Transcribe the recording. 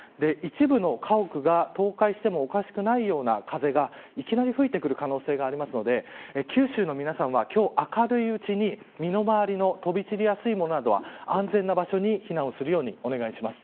一部の家屋が倒壊してもおかしくないような風が、いきなり吹いてくる可能性があるので九州の皆さんは今日、明るいうちに身の回りの飛び散りやすいものなどは安全な場所に避難するようにお願いします。